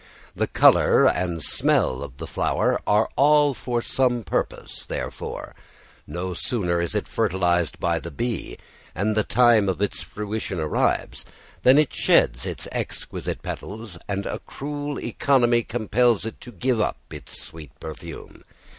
The colour and the smell of the flower are all for some purpose therefore; no sooner is it fertilised by the bee, and the time of its fruition arrives, than it sheds its exquisite petals and a cruel economy compels it to give up its sweet perfume.